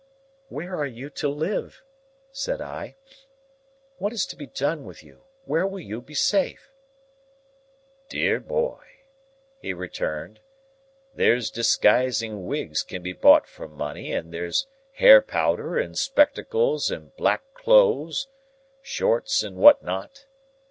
"Where are you to live?" said I. "What is to be done with you? Where will you be safe?" "Dear boy," he returned, "there's disguising wigs can be bought for money, and there's hair powder, and spectacles, and black clothes,—shorts and what not.